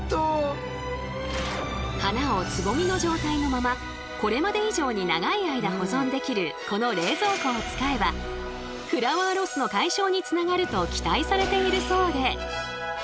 花をつぼみの状態のままこれまで以上に長い間保存できるこの冷蔵庫を使えばフラワーロスの解消につながると期待されているそうで。